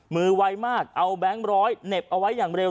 ไวมากเอาแบงค์ร้อยเหน็บเอาไว้อย่างเร็ว